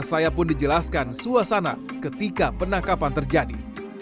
saya pun dijelaskan suasana ketika penangkapan terjadi